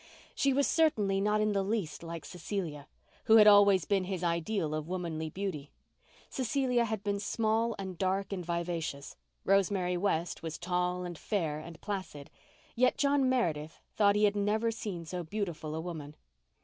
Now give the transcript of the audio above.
She was certainly not in the least like Cecilia, who had always been his ideal of womanly beauty. Cecilia had been small and dark and vivacious—Rosemary West was tall and fair and placid, yet John Meredith thought he had never seen so beautiful a woman.